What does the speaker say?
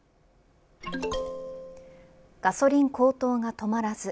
ガソリン高騰が止まらず